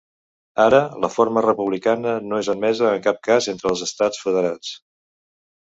Ara, la forma republicana no és admesa en cap cas entre els estats federats.